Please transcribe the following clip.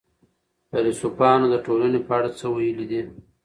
فيلسوفانو د ټولني په اړه څه ويلي دي؟